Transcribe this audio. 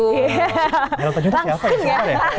heru tanju itu siapa ya